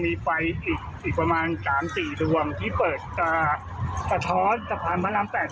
มีไฟอีกประมาณสามสี่รวมที่เปิดอ่าสะท้อสะพานพระรามแปด